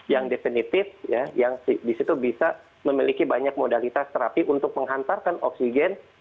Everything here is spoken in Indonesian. yang definitif yang disitu bisa memiliki banyak modalitas terapi untuk menghantarkan oksigen